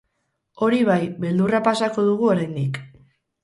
Hori bai, beldurra pasako dugu oraindik.